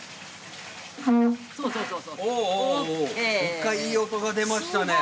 一回いい音が出ましたね。